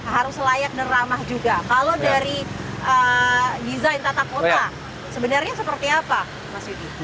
harus layak dan ramah juga kalau dari giza yang tata kota sebenarnya seperti apa mas yudi